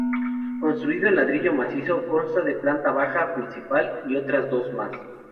Construido en ladrillo macizo, consta de planta baja, principal y otras dos más.